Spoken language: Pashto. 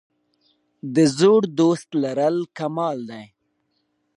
د زوړ دوست لرل کمال دی.